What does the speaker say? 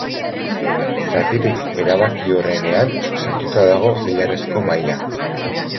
Zatirik erabakiorrenean sartuta dago zilarrezko maila.